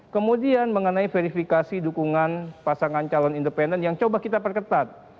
kemudian mengenai verifikasi dukungan pasangan calon independen yang coba kita perketat